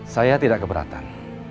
saya tidak keberatan